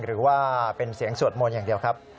หรือว่าเป็นเสียงสวดมนต์อย่างเดียวครับ